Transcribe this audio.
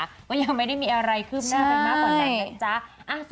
ก็ยังไม่ได้มีอะไรคืบหน้าไปมากกว่านั้นนะจ๊ะ